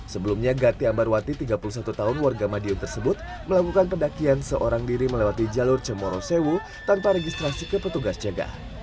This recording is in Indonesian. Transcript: sebelumnya gati ambarwati tiga puluh satu tahun warga madiun tersebut melakukan pendakian seorang diri melewati jalur cemorosewu tanpa registrasi ke petugas jaga